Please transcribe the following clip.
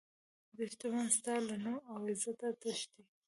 دښمن ستا له نوم او عزته تښتي